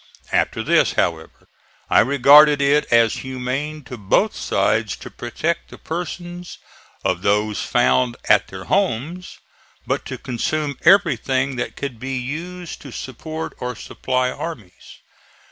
After this, however, I regarded it as humane to both sides to protect the persons of those found at their homes, but to consume everything that could be used to support or supply armies.